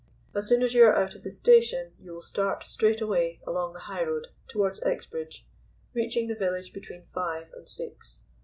As soon as you are out of the station you will start straight away along the highroad towards Exbridge, reaching the village between five and six.